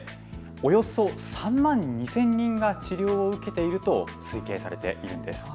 およそ３万２０００人が治療を受けていると推定されているんです。